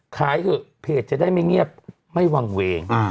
เถอะเพจจะได้ไม่เงียบไม่วางเวง